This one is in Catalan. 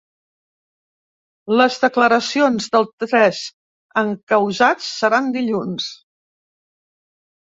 Les declaracions dels tres encausats seran dilluns.